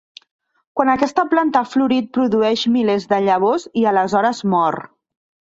Quan aquesta planta ha florit produeix milers de llavors i aleshores mor.